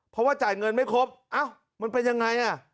เพราะว่าจ่ายเงินไม่ครบเอ้ามันเป็นยังไงอ่ะ